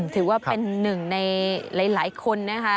ถือว่าเป็นหนึ่งในหลายคนนะคะ